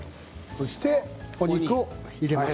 そしてお肉を入れます。